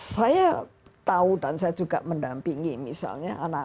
saya tahu dan saya juga mendampingi misalnya anak anak